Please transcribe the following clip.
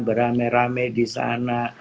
beramai ramai di sana